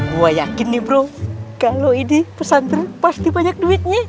gue yakin nih bro kalau ini pesantren pasti banyak duitnya